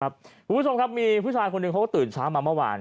คุณผู้ชมครับมีผู้ชายคนหนึ่งเขาก็ตื่นเช้ามาเมื่อวาน